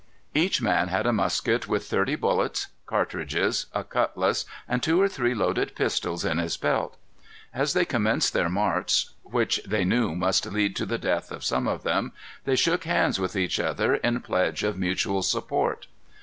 Each man had a musket with thirty bullets, cartridges, a cutlass, and two or three loaded pistols in his belt. As they commenced their march, which they knew must lead to the death of some of them, they shook hands with each other in pledge of mutual support.